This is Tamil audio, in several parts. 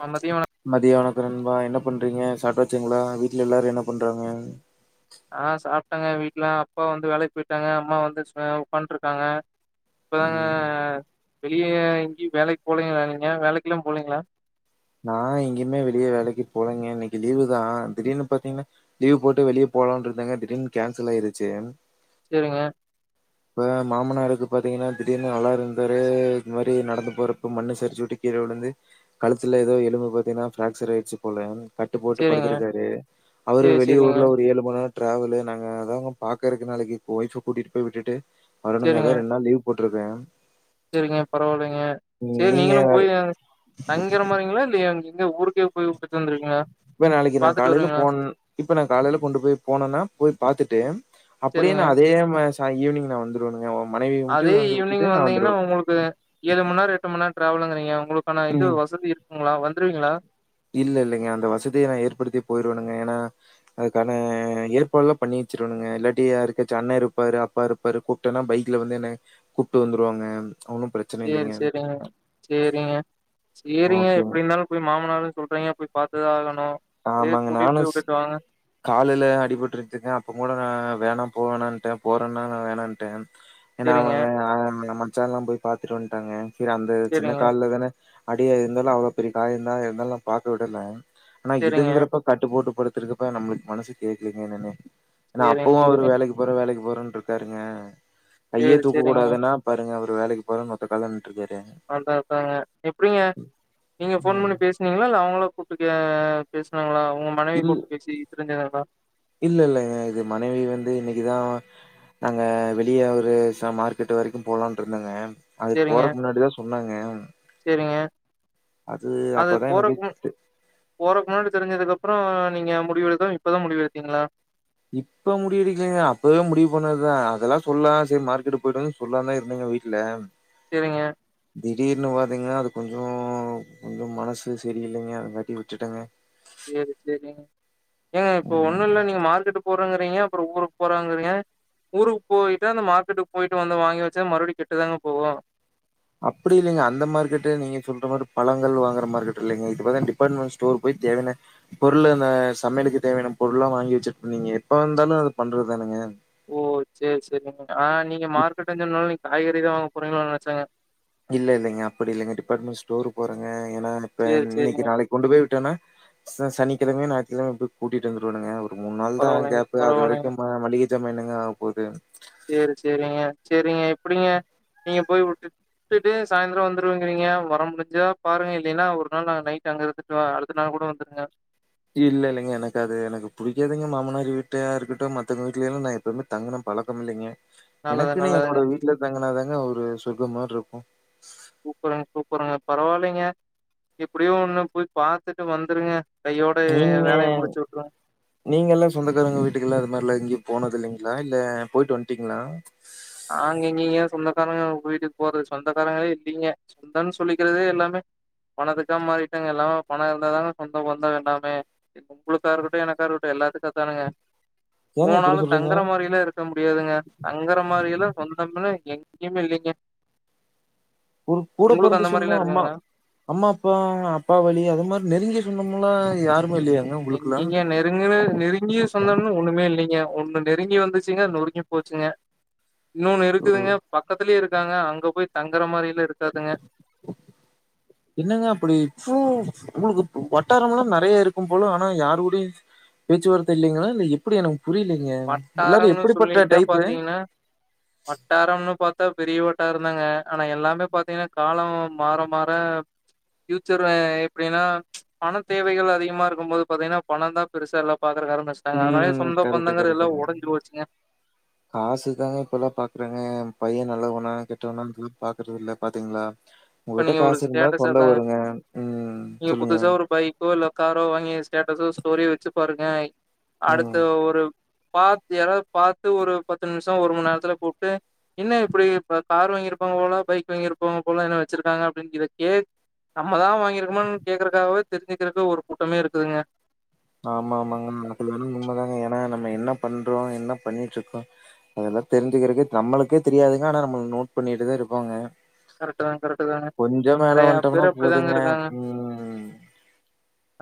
நா மதியோ வர மதிய வணக்க நண்பா என்ன பண்றிங்க சாப்ட்டாச்சுங்ளா வீட்ல எல்லாரு என்ன பண்றாங்க ஆ சாப்ட்டங்க வீட்ல அப்பா வந்து வேலைக் போய்ர்காங்க அம்மா வந்து ஆ சு அ ஒக்காந்திருகாங்க இப்பதாங்க ம். வெளிய எங்யூ வேலைக் போலிங்ளா நீங்க வேலைக்ல்லாம் போலிங்ளா நா எங்யுமே வெளிய வேலைக்கி போலைங்க இன்னிக்கு லீவு தா திடீர்னு பாத்திங்ன்னா லீவ் போட்டு வெளிய போலான் இருந்தங்க திடீர்னு கேன்சல் ஆய்ருச்சு சேரிங்க [inaudible] இப்ப மாமனாருக்கு பாத்திங்கன்னா திடீர்னு நல்லாருந்தாரு இது மாறி நடந்து போறப்ப மண்ணு சருச்சு உட்டி கீழ உழுந்து சில எதோ எலும்பு பாத்திங்கன்னா பிராக்ஸ்ஸர் ஆய்ட்ச்சுப் போல கட்டு போட்டு சேரிங்க படுத்துருக்காரு அவரு சேரி சேரிங்க வெளியூர்ல ஒரு ஏழு மண்நேர ட்ராவலு நாங்க அதாங்க பாக்கறக்கு நாளைக்கி ஒய்ஃப கூட்டிட்டுப் போய் விட்டுட்டு வரணுங்க சேரிங்க அதா ரெண்டாந்தேதி போட்ருக்க சேரிங்க பரவால்லைங்க சேர் நீங்க நீங்களும் போய் தங்கிர்ற மாறிகங்ளா இல்ல எங் இங்க ஊருக் கே போய் உட்டுட்டு வந்துருவிங்களா இப்ப நாளைக்கு நா காலைல போனன் இப்ப நா காலைல கொண்டுப் போய் போனன்னா போய் பாத்துட்டு அப்டியே சேரிங்க நா அதேமாரி ச ஈவ்னிங் நா வந்துருவனுங்க அதே ஈவ்னிங் வந்திங்கன்னா உங்களுக்கு ஏழு மண் நேரம் எட்டு மண் நேரம் ட்ரவல்லுங்குறீங்க உங்களுக்கான இது ம் வசதி இருக்குங்களா வந்துருவிங்களா இல்ல இல்லங்க அந்த வசதிய நா ஏற்படுத்தி போய்ருவணுங்க ஏனா அதுக்கான ஏற்பாட்ல்லா பண்ணிச்சிருவணுங்க இல்லாட்டி யாருக்காச்சு அண்ணா இருப்பாரு அப்பா இருப் பாரு கூப்ட்டன்ன பைக்ல வந்து என்ன கூப்ட்டு வந்துருவாங்க ஒன்னும் ப்ரச் சேரி சேரிங்க சேரிங்க சேரிங்க ஓகேங்க எப்டி இருந்தாலும் போய் மாமனார்னு சொல்றீங்க போய் பாத்துதா ஆகணும் சேரி ஆமாங்க கூட்டிட்டுப் போய் நானும் உட்டுட்டு வாங்க காலுல அடிபட்ருச்சிங்க அப்பக் கூட நா வேணாம் போவேனான்ட்ட போறன்னாங்க நா வேணான்ட்டன் ஏன்னா சேரிங்க அவுங்க ஆ எ மச்சான்ல்லா போய் பாத்துட்டு வன்ட்டாங்க சேர் அந்த சின்னக் சேரிங்க கால்ல தான அடியா இருந்தாலு அவ்ளோப் பெரிய காயந்தா இருந்தாலு நா பாக்க விடல ஆனா சேரிங்க இதுங்குறப்ப கட்டுப்போட்டுப் படுத்துருக்கப்ப நம்ப்ளுக்கு மனசு கேக்ளிங்க என்னன்னு எனா சேரிங்க அப்பவு அவுரு சேரிங்க வேலைக்கு போற வேலைக்கு போறன்ருக்காருங்க கைய சேரி தூக்க சேரிங்க கூடாதுன்னாப் பாருங்க அவரு வேலைக்கு போறன் ஒத்த கால்ல நின்ட்டுருக்காரு அதான் அதாங்க எப்டிங்க நீங்க ஃபோன் பண்ணி பேசி ங்களா இல்ல அவுங்களா கூட்டு பேசுனாங்களா உங்க மனைவி கூட்டு பேசி தெரிஞ்சதுங்களா இல்ல இல்ல இது மனைவி வந்து இன்னைக்கு தா நாங்க வெளிய ஒரு ச மார்க்கெட்டு வரைக்கும் போலான்ட்ருந்தங்க அதுக்கு சேரிங்க போறக் முன்னாடிதா சொன்னாங்க சேரிங்க அது அதுக்கு அப்பதான் எனக்கே போறக் முன் போறக்கு முன்னாடி தெரிஞ்சதுக்கு அப்பறம் நீங்க முடிவெடுத்த இப்பதா முடிவு எடுத்தீங்களா இப்ப முடிவெடிக்கலீங்க அப்பவே முடிவு பண்ணதுதா அதெல்லா சொன்னா சேரி மார்க்கெட்டு போய்ட்டு சொல்லான்தா இருந்தங்க வீட்ல சேரிங்க திடீர்னு பாத்தீங்கன்னா அது கொஞ்சம் கொஞ்சம் மனசு செரியில்லைங்க அது காட்டி விட்டுட்டங்க சேரி சேரிங்க ஏங்க இப்ப ஒன்னும் ம் இல்ல நீங்க மார்க்கெட் போ போறங்குறீங்க அப்புறோ ஊருக்கு போறங்குறீங்க ஊருக்கு போயிட்டா அந்த மார்க்கெட்டுக்கு போயிட்டு வந்து வாங்கி வச்ச மறுபடியும் கெட்டு தாங்க போகும் அப்பிடி இல்லைங்க அந்த மார்க்கெட்டு நீங்க சொல்ற மாரி பழங்கள் வாங்குற மார்கெட் இல்லைங்க இது பாத்தன டிபார்ட்மெண்ட் ஸ்டோர் போய் தேடுன பொருளு இந்த சமயலுக்கு தேவயான பொருள்லா வாங்கி வெச்சுட் நீங்க எப்ப வந்தாலு அது பண்றதுதானுங்க ஓ சேர் சேரிங்க ஆ நீங்க இப்- மார்க்கெட்டுஞ்ஜொன்னால நீங்க காய்கறி தா வாங்க போறிங்களோன்னு நெனச்சங்க இல்ல இல்லங்க அப்படி இல்லங்க டிபார்ட்மெண்ட் ஸ்டோரு போறங்க ஏன்னா இப்ப சேரி இன்னைக்கு சேரிங்க நாளைக் கொண்டு போய் விட்டன்னா ச சனிக்கிழம ஞாயித்தி கிழமப் போய் கூட்டிட்டு வந்துருவனுங்க ஒர் ஒரு மூண் நாள் தா பரவாயில்லைங்க கேப்பு அது பரவாயில்லைங்க வரைக்கும் மளிக ஜாமா என்னங்க ஆவ போது சேரி சேரிங்க சேரிங்க எப்டிங்க நீங்கப் போய் உட்டுட் உட்டுட்டு சாயந்தரம் வந்துருவிங்கிறீங்க வர முடிஞ்சாப் பாருங்க இல்லைன்னா ஒரு நாள் நா நைட்டு அங்கருந்துட் சிவா அடுத்த நாள் கூட வந்துருங்க இல்ல இல்லைங்க எனக்கு அது எனக்கு புடிக்காதுங்க மாமனார் வீட்டா இருக்கட்டும் மத்தவுங்க வீட்ல எல்லாம் எப்பமே தங்கனும் பழக்கம் இல்லைங்க நல்லது எனக்குன்னு நல்லதுங்க என்னோட வீட்ல தங்கனாதாங்க ஒரு சொர்க்கம் மார்ருக்கும் சூப்பருங்க சூப்பருங்க பரவால்லைங்க எப்படியோ ஒண்ணு போய் பாத்துட்டு வந்துருங்க கையோட நீங்க வேலைய முடிச்சு விட்ருங்க நீங்க எல்லா சொந்தக்காரங்க வீட்டுக்கு இல்ல அது மார்ல்லா எங்கயும் போனதில்லங்ளா இல்ல போய்ட்டு வன்ட்டீங்ளா நாங்க எங்கங்ய சொந்தக்காரங்க வீட்டுக்கு போறது சொந்தக்காரங்களே இல்லீங்க சொந்தன் சொல்லிக்கறதே எல்லாமே பணத்துக்கா மாறிட்டாங்க எல்லா பணம் இருந்தாதாங்க சொந்த பந்தம் எல்லாமே உங்குளுக்கா இருக்கட்டு எனக்கா இருக்குட்டு எல்லாத்துக்கு அத்தானுங்க ஏங்க இப்டி போனாலு சொல்றீங்க தங்கற மாரில்லாருக் க முடியாதுங்க தங்கற மாரியெல்லா சொந்தம்லா எங்கெயுமே இல்லைங்க ஒரு கூட பொறந்து அந்த சொந்தொ மாரிலா அம்மா இருக்குங்களா அம்மா அப்பா அப்பா வழி அது மாரி நெருங்கிய சொந்தமெல்லா யாருமே இல்லையாங்க உங்களுக்குலா எங்கெங்கே நேத் நெருங்குன நெருங்கிய சொந்தம்ன்னு ஒண்ணுமே இல்லிங்க ஒண்ணு நெருங்கி வந்துச்சுங்க நொறுங்கி போச்சுங்க இன்னொன்னு ஓ இருக்குதுங்க பக்கத்துலே இருக்காங்க அங்க போய் தங்குற மாரியில்லா இருக்காதுங்க என்னங்க அப்டி இவ்ளோ உங்குளுக்கு வட்டாரம்லா நறைய இருக்கும் போல ஆனா யாரு கூடையு பேச்சுவார்த்த இல்லிங்ளா இல்ல எப் எப்புடி எனக்கு புரியலீங்க எல்லாரு வட்டாரம்னு எப்படிப்பட்ட சொல்லிட்டா டைப்பு பாத்தீங்கன்னா வட்டாரம்னு பாத்தா பெரிய வட்டாரந்தாங்க ஆனா எல்லாமே பாத்தீங்கன்னா காலம் மாற மாற ஃபியூச்சர்ரு எப்டின்னா பண தேவைகள் அதிகமா இருக்கும்போது பாத்தீங்கன்னா பணந்தான் பெருசா எல்லாம் பாக் ருக்கு ஆரம்பிச்டாங்கா அதனாலே சொந்தொம் கரெட்டு கரெட்டுங்க காசுதாங்க இப்பல்லா பாக்குறாங்க பையன் நல்லவனா கெட்டவனான் சொல்லி பாக்குறது இல்ல பாத்தீங்ளா இப்ப உங்ககிட்ட நீங்க ஒரு காசு இருந்தா ஸ்டேட்டஸ் சொந்தொ அதான் வருங்க ம் சொல்லுங்க டூவிலோ காரோ வாங்கி ஸ்டேட்டஸோ ஸ்டோரிய வச்சு பாருங்க அடுத்த ம் ஒரு பாத்து யாராவ்து பாத்து ஒரு பத்து நிமிஷம் ஒரு மணி நேரத்துல கூப்ட்டு என்ன இப்டி இப்ப கார் வாங்கியிருப்பாங்க போல பைக் வாங்கியிருப்பாங்க போல என்ன வச்சிருக்காங்க அப்டின் இத கேக் நம்ம தா வாங்கியிருக்கோமன் கேக்குறக்காவத் தெரிஞ்சுக்கிறக்கு ஒரு கூட்டமே இருக்குதுங்க ஆமா ஆமாங்க அதுல வரும் உண்மதாங்க ஏன்னா நம்ம என்ன பண்றோ என்ன பண்ணிட்டு இருக்கோ அதெல்லா தெரிஞ்சிகிறக்கே நம்மளுக்கே தெரியாதுங்க ஆனா நம்மள நோட் பண்ணிட்டுதா இருப்பாங்க கரெக்ட் தாங்க கரெக்ட் தாங்க கொஞ்சொ மேல நெறைய வந்ட்டோம்னா பேர் அப்டிதாங்க போதுங்க இருக்காங்க ம்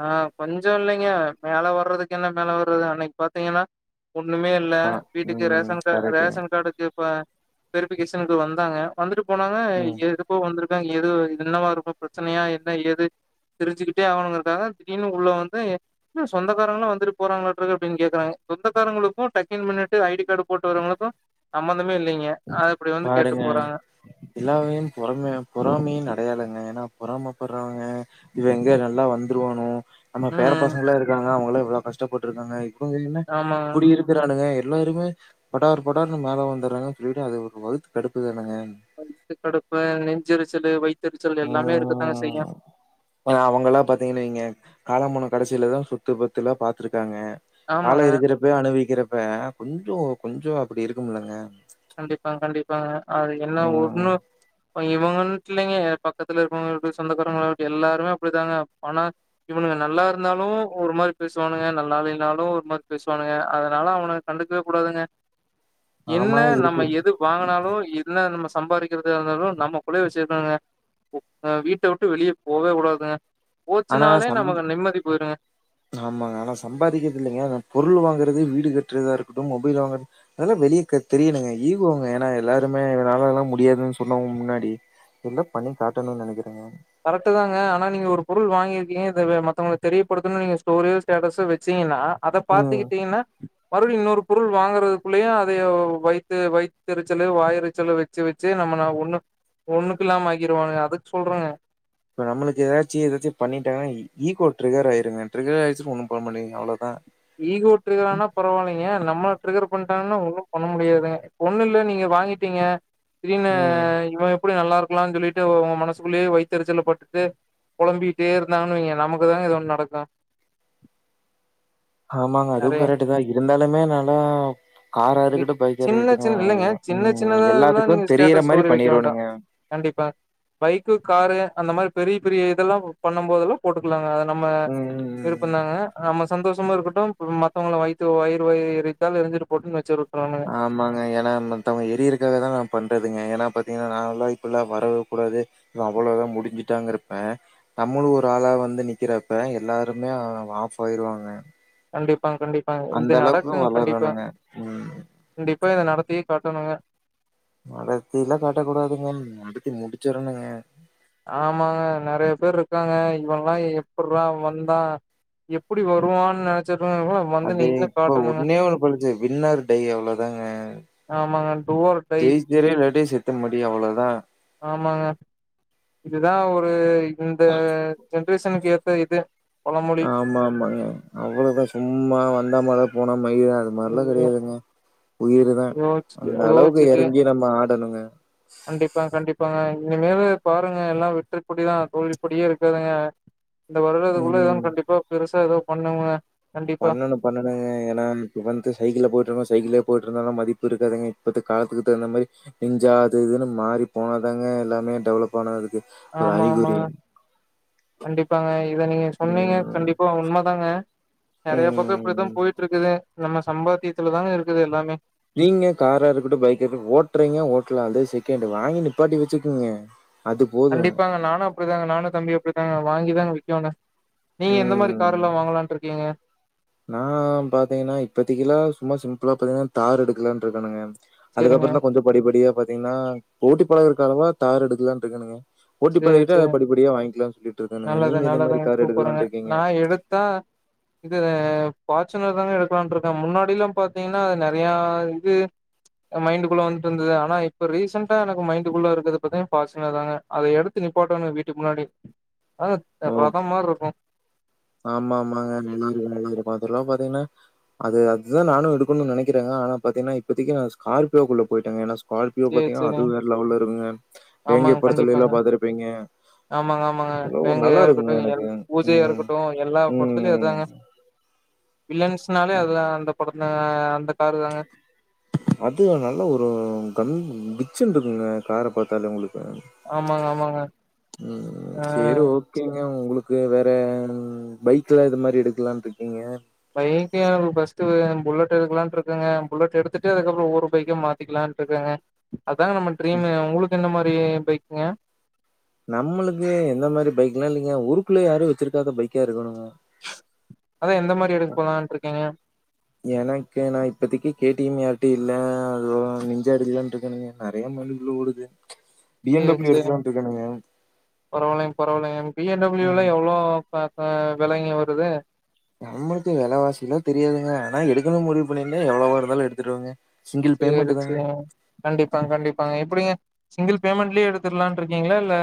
ஆ கொஞ்சோ இல்லைங்க மேல வர்றதுக்கு என்ன மேல வர்றது அன்னைக் பாத்தீங்கன்னா ஒண்ணுமேப் இல்ல வீட்டுக்கு ம் ரேஷன் அட்ட அது கரெக்ட்டுங்க ரேஷன் கார்டுக்கு இப்ப வெரிஃபிகேஷனுக்கு வந்தாங்க வந்துட்டு போனாங்க ம் எதும் இப்போ வந்திருக்காங் எதோ என்னவா இருக்கூ பிரச்சனையா என்ன ஏது சிரிஞ்சுக்கிட்டே ஆகணுங்கரக்காக திடீர்னு உள்ள வந்து என்ன சொந்தாரங்களும் வந்துட்டு போறாங்களாட்ருக்கு அப்டின்னு கேக்குறாங்க சொந்தக்காரங்களுக்கும் டக் இன் பண்ணிட்டு ஐடி கார்டு போட்டு வரவளுக்கும் சம்மந்தமே இல்லிங்க பாருங்க எல்லாவகைலயும் பொறமை பொறாமையின் அடையாளங்க ஏனா பொறாமப்பட்றவங்க இவ எங்க நல்லா வந்துருவானோ நம்ம பேற ம் பசங்களா இருக்காங்க அவுங்களா எவ்வளோ கஷ்டப்பட்ருக்காங்க இப்ப என்ன ஆமாங்க. இப்புடி இருக் விரானங்க எல்லாருமே படார் படார்ன்னு மேல வந்துறாங்க சொல்லிட்டு அது ஒரு வகுத்து கடுப்பு தானுங்க வயித்து கடுப்பு நெஞ்செரிச்சலு வைத்தெரிச்சல் எல்லாமே இருக்கதாங்க செய்யு பார அவங்கல்லாம் பாத்திங்கன் வைங்க காலம் போன கடைசிலதான் சொத்து பத்துலாம் பாத்துருக்காங்க காலொ ஆமாங்க. இருக்கிறப்ப அனுபவிக்கிறப்ப கொஞ்சோ கொஞ்சோ அப்டி இருக்கும்லங்க கண்டிப்பா கண்டிப்பாங்க அது என்ன ம் ஒண்ணு. இப்ப இவுங்க விட்லையுங்க பக்கத்துல இருப்பவங்க சொந்தக்காரங்களாட்டு எல்லாருமே அப்படிதாங்க பணத் இவனுங்க நல்லா இருந்தாலு ஒரு மாரி பேசுவானுங்க நல்லாயில்லைனாலு ஒரு மாரி பேசுவானுங்க அதனால அவனு கண்டுக்கவே கூடாதுங்க என்ன ஆமா இருக்கு வாங்குனாலோ இல்ல நம்ம சம்பாதிக்கிறத இருந்தாலு நம்மக்குள்ளே வச்சிருக்கானுங்க ஒ வீட்ட விட்டு வெளியே போவே கூடாதுங்க ஆனா போச்சுனாலே சம் நமக்கு நிம்மதி போயிருங்க ஆமாங்க ஆனா சம்பாதிக்கருதுல்லைங்க ஆனா பொருள் வாங்கறது வீடு கட்டுறதாருக்கட்டு மொபைல் வாங்கற அதெல்லா வெளியே கத் தெரியணுங்க ஈகோங்க ஏன்னா எல்லாருமேனா என்னலேலா முடியாதுன்னு சொன்னவங்க முன்னாடி எது பண்ணி காட்டணுன்னு நெனைக்கிறேங்க கரெக்ட்டு தாங்க ஆனா நீங்க ஒரு பொருள் வாங்கியிருக்கீங்க அத மத்தவங்களுக்கு தெரியப்படுத்தனு நீங்க ஸ்டோரியோ ஸ்டேட்டஸோ வச்சீங்கன்னா அத ம் பாத்துகிட்டீங்கன்னா மறுபடியு இன்னொரு பொருள் வாங்கறதுக்குள்ளேயு அத வைத்து வைத்தரிச்சலு வாயரிச்சலு வெ வெச்சு வெச்சு நம்ம ஒண்ணுக் ஒண்ணுக்குல்லாம ஆக்கிடுவாங்க அதுக்கு சொல்றேங்க இப்போ நம்மளுக்கு எதாச்சு எதாச்சு பண்ணிட்டாங்கன்னா ஈகோ ட்ரிகர் ஆயிருங்க ட்ரிகர் ஆயிச்சுன் ஒன்னு பண்ண முடியாதுங்க அவ்ளோதா ஈகோ ட்ருகரானா பரவாயில்லைங்க நம்மள ட்ரிகர் பண்ட்டாங்கன ஒன்னு பண்ண முடியாதுங்க ஒண்ணுல்ல நீங்க வாங்கிட்டீங்க திடீர்னு ம் இவ எப்படி நல்லா இருக்கலானு சொல்லிட்டு உங்க மனசுக்குள்ளேயே வைத்தரிச்சல் பட்டுட்டு பொளம்பிட்டே இருந்தாங்கன்ன வைங்க நமக்கு தாங்க ஏதோ ஒன்னு நடக்கு ஆமாங்க அதுவு நெறைய கரெக்ட்டு தா இருந்தாலுமே நாலா இ காராருக்கட்டு சின்ன பைக்ருக்கட்டுங்க சின்ன இல்லங்க சின்ன ம் சின்னதா எல்லா எல்லாத்துக்கு நீங்க தெரியிற ஸ்டேட்டஸ் மாரி ஸ்டோரி வைக்க வேண்டா பண்ணிருவணுங்க கண்டிப்பா பைக்கு காரு அந்த மாரி பெரிய பெரிய இதெல்லா பண்ணும் போதெல்லா போட்டுக்கலாங்க அத நம்ம ம் ம் ம் எதுப்பண்ணாங்க நம்ம சந்தோஷமாருக்கட்டு மத்தவங்கள வயத்து வயிரு வயிரு எரித்தால் எரிஞ்சிட்டு போட்டுன்னு வச்சிருக்கன்னுங்க ஆமாங்க ஏன்னா மாத்தவங்க ஏரியருக்காக தா நா பண்ணுறதுங்க ஏன்னா பாத்தீங்கன்னா நான்லா இப்பல்லா வரவேக்கூடாது அவ்ளோதா முடிஞ்சிட்டாங்கன் இருப்பே நம்மளு ஒரு ஆளா வந்து நிக்கிறப்ப எல்லாருமே ஆஃப் ஆயிருவாங்க கண்டிப்பாங்க கண்டிப்பாங்க இது அந்த அளவுக்கு நடக்கு கண்டிப்பா வளரணுங்க. ம். கண்டிப்பா இத நடத்தியே காட்டணுங்க நடத்திலா காட்டக்கூடாதுங்க நடத்தி முடிச்சிரணுங்க ஆமாங்க நறைய பேரு இருக்காங்க இவன்லா எப்புட்றா வந்தா எப்படி வருவான்னு நெனைச்சிட்டு [unintelligible] அதே இப்ப ஒன்னே ஒண்ணு பழிச்சு வின்னா ஆர் டை அவ்ளோதாங்க ஆமாங்க டு ஆர் டை ஜெயிச்சிடு இல்லாட்டி செத்து மடி அவ்ளோதா ஆமாங்க இதுதா ஒரு இந்த ஜென்ரேஷனுக்கு ஏத்த இது பழமொழி ஆமாமாங்க அவ்ளோதா சும்மா வந்த மாரிதா போனா மாரிதா இரு மார்ல்ல ஐயோ கடையாதுங்க உயரு தா யோச்சு அந்தளவுக்கு யோசிச்சுட்டு எறங்கி நம்ம ஆடணுங்க கண்டிப்பா கண்டிப்பாங்க இனிமேலு பாருங்க எல்லா வெற்றக்கொடிதா தோல்விப்படியே இருக்காதுங்க இந்த வருடதுக்குள்ள ம். ஏதோன்னு கண்டிப்பா பெருசா ஏதோ பண்ணனுங்க பண் பண்ணணுங்க ஏன்னா இப்போ வந்து சைக்கிள்ல போயிட்டுருக்கங்க சைக்கிள்லே போயிட்டுருந்தாலு மதிப்பு இருக்காதுங்க இப்போத் காலத்துக்கு தகுந்த மாரி இஞ்சாது இதுன்னு மாறி போனதாங்க எல்லாமே டெவலப் ஆனதுக்கு ஒரு ஆமா அறிகுறி. ஆமாங்க கண்டிப்பாங்க இத நீங்க சொன்னீங்க ம். கண்டிப்பா உண்ம தாங்க நெறய பக்கோ இப்படித்தா ம். போயிட்டுருக்குது நம்ம சம்பாத்தியத்துலதாங்க இருக்குது எல்லாமே இல்லைங்க காராருக்கட்டு பைக் இரு ஓட்றீங்க ஓட்டல அது செகண்ட் வாங்கி நிப்பாட்டி வச்சுக்குங்க அது போதும். கண்டிப்பாங்க நானும் அப்டித்தாங்க நானும் தம்பியு அப்டிதாங்க வாங்கி தாங்க விக்கனு நீங்க எந்த மாரி ம். கார் எல்லா வாங்கலான் இருக்கீங்க நான் பாத்தீங்கன்னா இப்பத்திக்கில்லா சும்மா சிம்பிளா பாத்தீங்கன்னா தார் எடுக்கலன்றுக்கேனுங்க சேரிங்க அதுக்கப்புறம் தான் கொஞ்சம் படிப்படியா பாத்தீங்கன்னா ஓட்டி பழகக்கவா தார் எடுக்கலான்னுடு இருக்கேனுங்க ஒட்டி சேரி பழகிட்ட அத சேரி படிப்படிய வாங்கிக்கலாம் சொல்லிட்டு இருக்கேனுங்க. நல்லது நீங்க எந்த மாரி நல்லதுங்க தார் சூப்பருங்க எடுக்கலான்னு இருக்கீங்க? நா எடுத்தா இது பாச்சுன்னுலா தாங்க எடுக்கலான் இருக்கேன் முன்னாடியிலாம் பாார்த்தீங்கன்னா அது நறைய இது மைண்டுக்குள்ள வந்துட்டு இருந்தது ஆனா இப்ப ரீசெண்டா எனக்கு மைண்டுக்குள்ள இருக்கறது பாத்திங் ஃபாச்சுன்னுலா தாங்க அதை எடுத்து நிப்பாட்டனும் வீட்டுக்கு முன்னாடி ஆ ஓ! ரதம் மாரி இருக்கும் ஆமா ஆமாங்க நல்லா இருக்கும் நல்லா இருக்கும் அதல்லாம் பாத்தீங்கன்னா அது அதுதான் நானும் எடுக்கணும் நினாக்கிறங்க ஆனா பாத்தீங்கன்னா இப்பத்திக்கு நா ஸ்கார்பியோகுள்ள போயிட்டங்க நா கார்பியோ சேரி பாத்தீங்கன்னா சேரிங்க அதுவும் வேற லெவல்ல இருக்குங்க வேங்கை ஆமாங்க கண்டிப்பாங்க படத்துலல்லாம் பாத்துருப்பீங்க ஆமாங்க ஆமாங்க வேங்கையா இருக்கட்டும் எ எனக்கு. பூஜையா ம். இருக்கட்டும் எல்லா படத்துலயும் ம். அதாங்க வில்லன்ஸ்னாலே அது தான் அந்த படத்துல அந்த காரு தாங்க அது நல்ல ஒரு கன் பிச்சினு இருக்குங்க கார பார்த்தாலே உங்களுக்கு ஆமாங்க ஆமாங்க ம் ஆ சேரி ஓகேங்க உங்களுக்கு ப்ரோ வேற பைக்ல எது மாரி எடுக்கலாம் இருக்கீங்க பைக் ஏன் ப்ரோ ஃபஸ்டு புல்லட் எடுக்கலான் இருக்கங்க புல்லட் எடுத்துட்டு அதுக்கப்புறம் ஒவ்வொரு பைகா மா த்திகலாம் இருக்கங்க அதான நம்ம ட்ரீம் உங்களுக்கு இந்த மாரி பைக்குங்க நம்மளுக்கு எந்த மாரி பைக்ல்லாம் இல்லைங்க ஊருக்குள்ள யாரும் வச்சிருக்காத பைக்கா இருக்கணும்ங்க அதான் எந்த மாரி எடுக்க போலான்ட்டு இருக்கீங்க எனக்கு நான் இப்பத்திக்கு கேட்டியும் யாரிட்டும் இல்ல லோ நிஞ்சாடுதுலாம் இருக்கனுங்க நறைய மண்ணுகுள்ள ஓடுது சேர் சேரிங்க எடுக்கலான்ட்டு இருக்கேனுங்க. பரவாயில்லைங்க பரவாயில்லைங்க பி எம் டபிள்யூல ம். எவ்ளோ பா ப விலங்கி வருதே நம்மளுக்கு வலைவாசி எல்லாம் தெரியாதுங்க ஆனா எடுக்கணு முடிவு பண்ணிருந்தா எவ்ளோவா இருந்தாலு எடுத்துடுவங்க சேரி சேரி கண்டிப்பாங்க கண்டிப்பாங்க எப்டிங்க சிங்கிள் பேமெண்ட்லயே எடுத்துடலான் இருக்கீங்களா இல்ல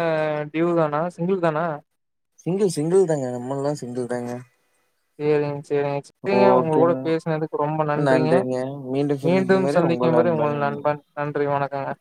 டியூ தானா சிங்கிள் தானா சிங்கிள் சிங்கிள் தாங்க நம்மளல்லாம் சிங்கிள் தாங்க சேரிங்க சேரிங்க சேரிங்க உங்க ஓகேங்க. கூட பேசுனதுக்கு ரொம்ப நன்றிங்க மீண்டும் சந்திக்கும்போது உங்க நண்பன் நன்றி வணக்கங்க